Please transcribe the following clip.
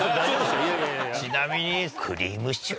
ちなみに。